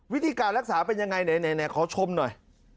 วิธีการรักษาเป็นยังไงไหนขอชมหน่อย